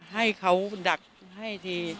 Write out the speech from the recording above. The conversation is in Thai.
ให้เขาดักให้ที